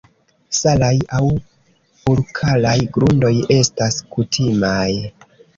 Salaj aŭ alkalaj grundoj estas kutimaj.